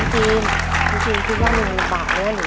ทุนทุนที่ว่าเวียบลูกบากน้อง